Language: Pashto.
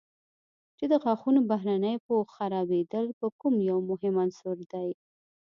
چې د غاښونو بهرني پوښ خرابېدل په کې یو مهم عنصر دی.